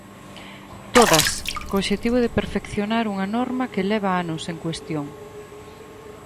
Todas, co obxectivo de perfeccionar unha norma que leva anos en cuestión.